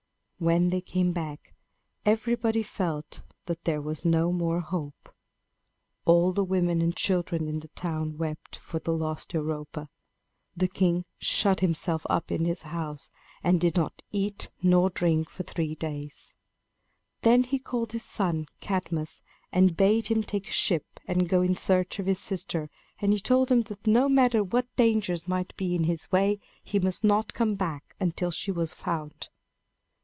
When they came back, everybody felt that there was no more hope. All the women and children in the town wept for the lost Europa. The king shut himself up in his house, and did not eat nor drink for three days. Then he called his son Cadmus, and bade him take a ship and go in search of his sister; and he told him that, no matter what dangers might be in his way, he must not come back until she was found.